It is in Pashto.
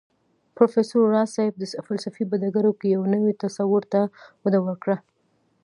پروفېسر راز صيب د فلسفې په ډګر کې يو نوي تصور ته وده ورکړه